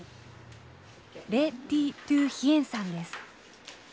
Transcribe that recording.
レ・ティ・トゥ・ヒエンさんです。